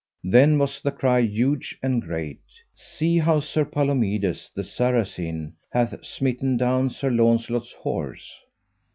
Then was the cry huge and great: See how Sir Palomides the Saracen hath smitten down Sir Launcelot's horse.